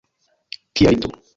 Kia lito!